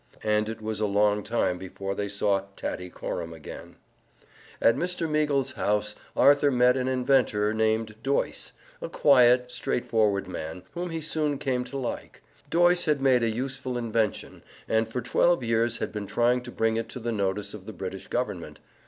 And it was a long time before they saw Tattycoram again. At Mr. Meagles's house Arthur met an inventor named Doyce, a quiet, straightforward man, whom he soon came to like. Doyce had made a useful invention and for twelve years had been trying to bring it to the notice of the British Government.